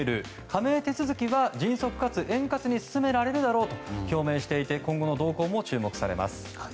加盟手続きは迅速かつ円滑に進められるだろうと表明していて今後の動向も注目されます。